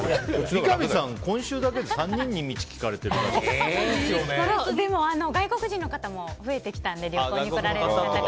三上さん、今週だけで３人にでも、外国人の方も増えて来たので旅行に来られる方が。